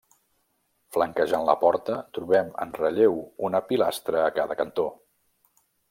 Flanquejant la porta trobem en relleu una pilastra a cada cantó.